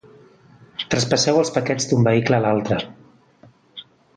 Traspasseu els paquets d'un vehicle a l'altre.